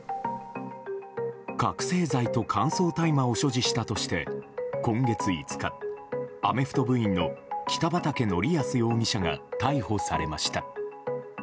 覚醒剤と乾燥大麻を所持したとして今月５日アメフト部員の北畠成文容疑者が逮捕されました。